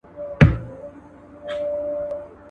چې جانان پکښې اوسیږي٬ هم هغه زما کعبه ده